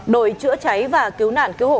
đội chữa cháy và cứu nạn cứu hộ